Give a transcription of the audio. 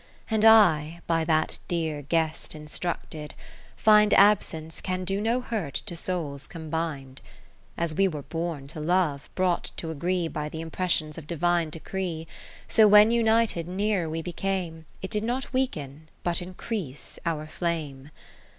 And I (by that dear guest instructed) find Absence can do no hurt to souls combin'd. As we were born to love, brought to agree By the impressions of Divine decree: So when united nearer we became, It did not weaken, but increase, our flame.